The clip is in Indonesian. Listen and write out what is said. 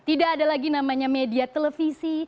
tidak ada lagi namanya media televisi